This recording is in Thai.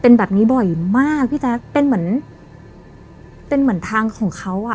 เป็นแบบนี้บ่อยมากพี่แจ๊คเป็นเหมือนเป็นเหมือนทางของเขาอ่ะ